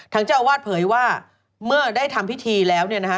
ทางเจ้าอาวาสเผยว่าเมื่อได้ทำพิธีแล้วเนี่ยนะฮะ